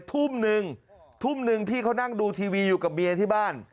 ทุ่มนึงทุ่มหนึ่งพี่เขานั่งดูทีวีอยู่กับเมียที่บ้าน